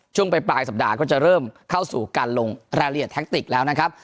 ช่วงปลายสัปดาห์ก็จะเริ่มเข้าสู่การลงรายละเอียดแท็กติกแล้วนะครับ